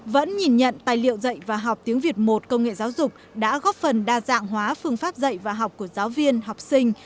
vẫn nhìn nhận tài liệu dạy và học tiếng việt một công nghệ giáo dục đã góp phần đa dạng hóa phương pháp dạy và học của giáo viên học sinh